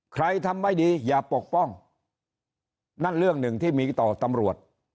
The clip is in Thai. ใครทำไม่ดีอย่าปกป้องนั่นเรื่องหนึ่งที่มีต่อตำรวจ